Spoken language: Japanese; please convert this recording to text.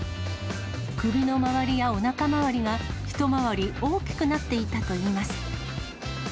首の周りやおなか回りが、一回り大きくなっていたといいます。